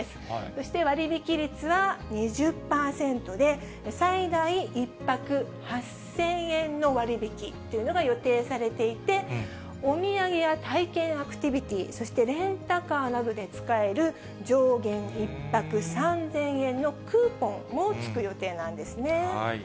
そして割引率は２０％で、最大１泊８０００円の割引というのが予定されていて、お土産や体験アクティビティー、そしてレンタカーなどで使える、上限１泊３０００円のクーポンも付く予定なんですね。